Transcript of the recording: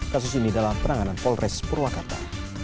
kasus ini dalam penanganan polres purwakarta